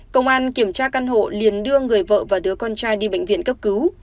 công an kiểm tra căn hộ liền đưa người vợ và đứa con trai đi bệnh viện cấp cứu